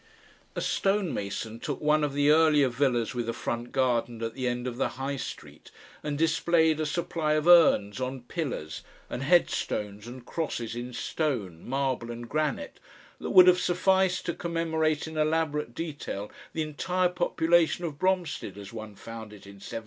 A stonemason took one of the earlier villas with a front garden at the end of the High Street, and displayed a supply of urns on pillars and headstones and crosses in stone, marble, and granite, that would have sufficed to commemorate in elaborate detail the entire population of Bromstead as one found it in 1750.